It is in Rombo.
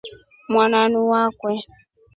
Mwananuu wakwe.